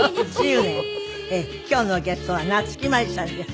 今日のお客様夏木マリさんです。